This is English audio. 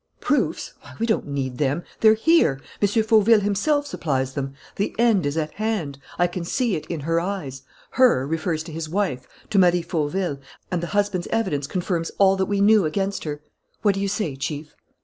"Proofs? Why, we don't need them! They're here. M. Fauville himself supplies them: 'The end is at hand. I can see it in her eyes.' 'Her' refers to his wife, to Marie Fauville, and the husband's evidence confirms all that we knew against her. What do you say, Chief?"